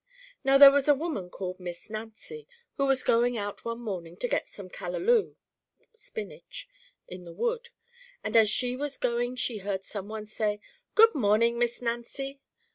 Now there was a woman called Miss Nancy, who was going out one morning to get some "callalou" (spinach) in the wood, and as she was going she heard some one say, "Good morning, Miss Nancy!"